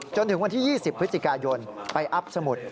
จนถึงวันที่๒๐พฤศจิกายนไปอัพสมุด